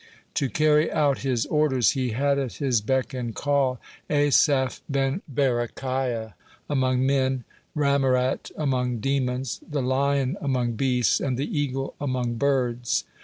To carry out his orders he had at his beck and call Asaph ben Berechiah (77) among men, Ramirat among demons, the lion among beasts, and the eagle among birds.